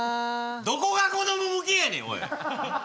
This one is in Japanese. どこがこども向けやねんおい！